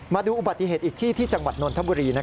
มาดูอุบัติเหตุอีกที่ที่จังหวัดนนทบุรี